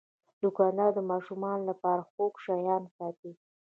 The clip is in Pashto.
دوکاندار د ماشومانو لپاره خوږ شیان ساتي.